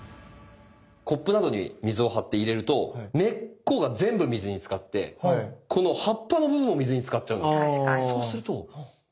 コップなどに水を張って入れると根っこが水に浸かってこの葉っぱの部分も水に浸かっちゃうんです。